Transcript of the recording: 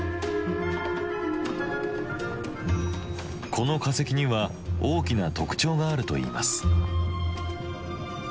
この化石には大きな特徴があるといいます。